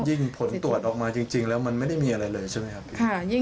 ผลตรวจออกมาจริงแล้วมันไม่ได้มีอะไรเลยใช่ไหมครับ